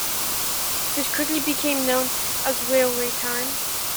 This quickly became known as Railway Time.